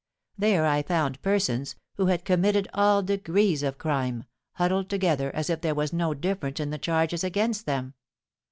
There I found persons, who had committed all degrees of crime, huddled together as if there was no difference in the charges against them.